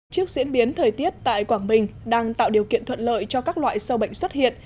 trước diễn biến thời tiết tại quảng bình đang tạo điều kiện thuận lợi cho các loại sâu bệnh xuất hiện